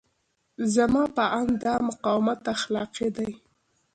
زما په اند دا مقاومت اخلاقي دی.